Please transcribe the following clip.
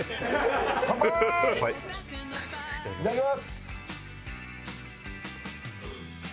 いただきます！